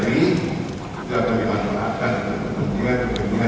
tidak mungkin akan